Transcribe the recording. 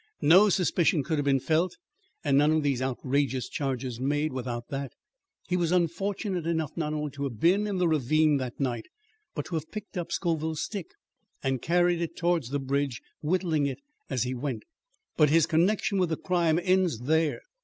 No suspicion could have been felt and none of these outrageous charges made, without that. He was unfortunate enough not only to have been in the ravine that night but to have picked up Scoville's stick and carried it towards the bridge, whittling it as he went. But his connection with the crime ends there.